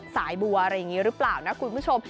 สายบัวอะไรอย่างนี้หรือเปล่านะคุณผู้ชม